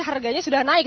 harganya sudah naik